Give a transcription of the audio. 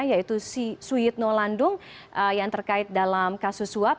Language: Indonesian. yaitu suyitno landung yang terkait dalam kasus suap